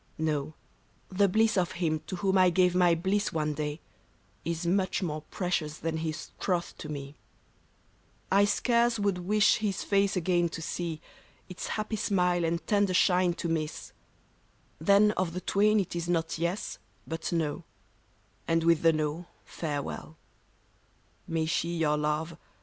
No ; the bliss Of him to whom I gave my bliss one day Is much more precious than his troth to me : I scarce would wish his face again to see, Its happy smile and tender shine to miss ; Then of the twain it is not yes, but no, And with the no, farewell. May she, your love.